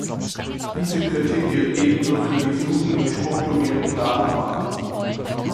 Diese Kritik gilt ebenso für die Suchen in strukturierten Datenbanken.